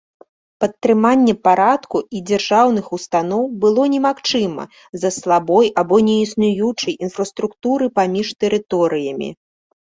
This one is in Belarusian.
Падтрыманне парадку і дзяржаўных устаноў было немагчыма з-за слабой або неіснуючай інфраструктуры паміж тэрыторыямі.